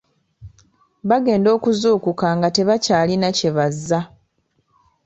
Bagenda okuzuukuka nga tebakyalina kye bazza.